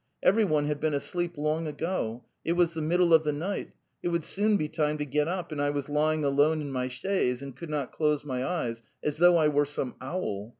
Everyone had been asleep long ago. It was the middle of the night; it would soon be time to get up, and I was lying alone in my chaise and could not close my eyes, as though I were some owl.